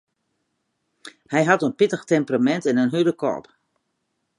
Hy hat in pittich temperamint en in hurde kop.